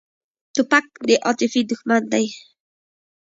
توپک د عاطفې دښمن دی.